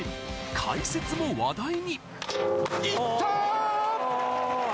解説も話題に。